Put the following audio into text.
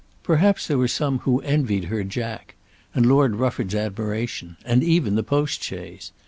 Perhaps there were some who had envied her Jack, and Lord Rufford's admiration, and even the postchaise.